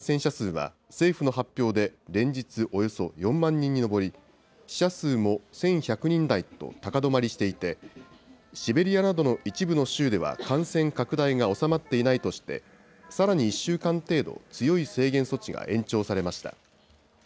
ただ、全国の新規感染者数は、政府の発表で連日およそ４万人に上り、死者数も１１００人台と高止まりしていて、シベリアなどの一部の州では感染拡大が収まっていないとして、さらに１週間程度、強い制限措置が延長されました。